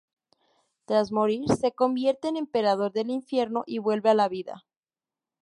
Tras morir, se convierte en emperador del Infierno y vuelve a la vida.